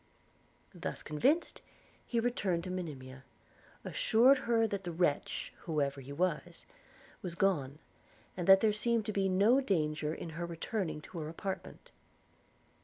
Thus convinced, he returned to Monimia; assured her that the wretch, whoever he was, was gone; and that there seemed to be no danger in her returning to her apartment.